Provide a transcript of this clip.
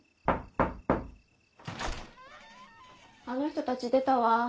あの人たち出たわ。